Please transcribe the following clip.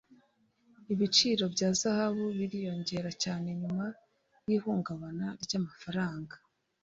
ibiciro bya zahabu biriyongera cyane nyuma y'ihungabana ry'amafaranga